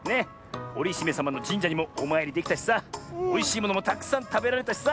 おりひめさまのじんじゃにもおまいりできたしさおいしいものもたくさんたべられたしさ！